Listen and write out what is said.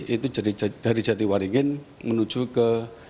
itu dari jatiwaringin menuju ke